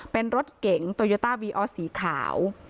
เป็นรถเก่งสีขาว